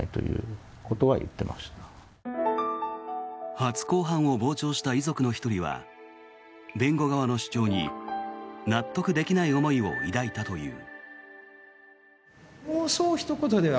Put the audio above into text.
初公判を傍聴した遺族の１人は弁護側の主張に納得できない思いを抱いたという。